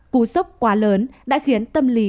cú sốc quá lớn đã khiến tâm lý